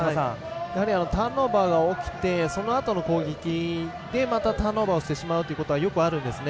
ターンオーバーが起きてそのあとの攻撃でまたターンオーバーをしてしまうことはよくあるんです。